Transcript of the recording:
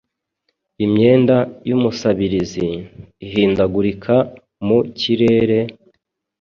Imyenda y'Umusabirizi, ihindagurika mu kirere,